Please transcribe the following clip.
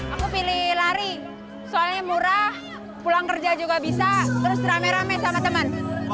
aku pilih lari soalnya murah pulang kerja juga bisa terus rame rame sama teman